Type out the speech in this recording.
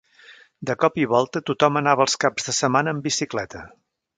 De cop i volta tothom anava els caps de setmana en bicicleta